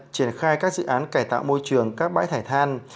triển khai các dự án cải tạo môi trường các bãi thải than